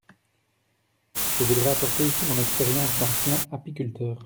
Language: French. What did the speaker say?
Je voudrais apporter ici mon expérience d’ancien apiculteur.